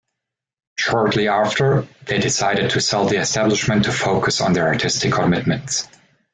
Shortly after, they decided to sell the establishment to focus on their artistic commitments.